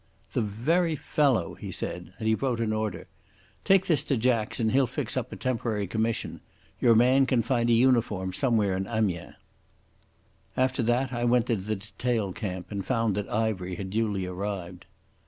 "The very fellow," he said, and he wrote an order. "Take this to Jacks and he'll fix up a temporary commission. Your man can find a uniform somewhere in Amiens." After that I went to the detail camp and found that Ivery had duly arrived.